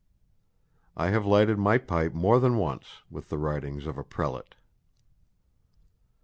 I have lighted my pipe more than once with the writings of a prelate."